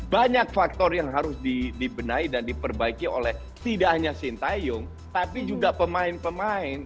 banyak faktor yang harus dibenahi dan diperbaiki oleh tidak hanya sintayong tapi juga pemain pemain